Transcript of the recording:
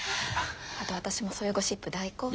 あと私もそういうゴシップ大好物。